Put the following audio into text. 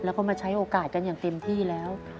แล้วก็มาใช้โอกาสกันอย่างเต็มที่แล้ว